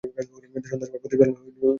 সন্ধ্যার সময় প্রদীপ জ্বালানো তোমার কাজ।